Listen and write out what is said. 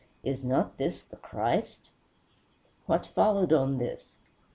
Is not this the Christ?" What followed on this?